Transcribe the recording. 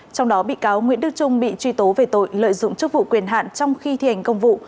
trong đó bị cáo nguyễn đức trung bị truy tố về tội lợi dụng chức vụ quyền hạn trong khi thi hành công vụ